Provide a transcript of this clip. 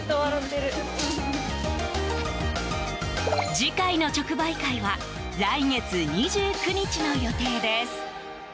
次回の直売会は来月２９日の予定です。